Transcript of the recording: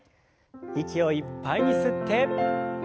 息をいっぱいに吸って。